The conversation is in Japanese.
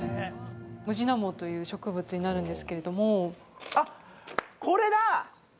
ムジナモという植物なんですけれども。